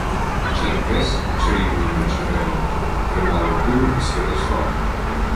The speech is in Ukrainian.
Чаркес – чарівний меч Арея – Тримали Тур і Святослав.